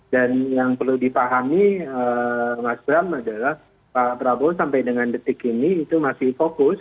dan yang perlu dipahami mas bram adalah pak prabowo sampai dengan detik ini itu masih fokus